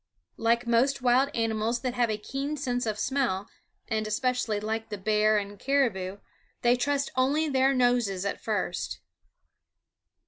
Like most wild animals that have a keen sense of smell, and especially like the bear and caribou, they trust only their noses at first.